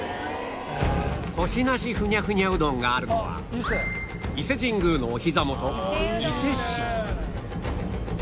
コシなしふにゃふにゃうどんがあるのは伊勢神宮のおひざ元伊勢市